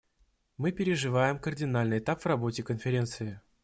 Мы переживаем кардинальный этап в работе Конференции.